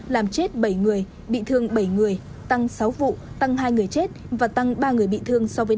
làm chết bảy người bị thương bảy người tăng sáu vụ tăng hai người chết và tăng ba người bị thương so với năm hai nghìn một mươi tám